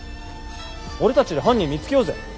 俺たちで犯人見つけようぜ。